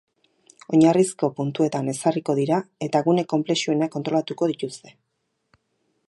Oinarrizko puntuetan ezarriko dira, eta gune konplexuenak kontrolatuko dituzte.